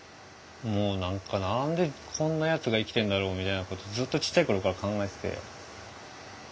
もう何か何でこんなやつが生きてんだろうみたいなことずっとちっちゃい頃から考えてて。